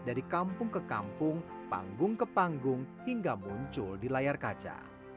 dari kampung ke kampung panggung ke panggung hingga muncul di layar kaca